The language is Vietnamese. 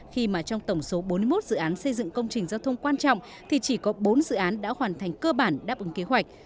khi mà trong tổng số bốn mươi một dự án xây dựng công trình giao thông quan trọng thì chỉ có bốn dự án đã hoàn thành cơ bản đáp ứng kế hoạch